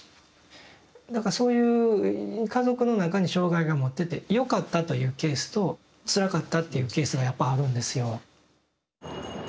だからそういう家族の中に障害が持っててよかったというケースとつらかったっていうケースがやっぱあるんですよ。